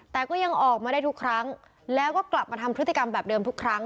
แต่ก็ยังออกมาได้ทุกครั้งแล้วก็กลับมาทำพฤติกรรมแบบเดิมทุกครั้ง